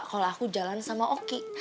kalau aku jalan sama oki